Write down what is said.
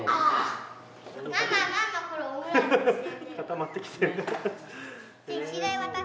固まってきてる。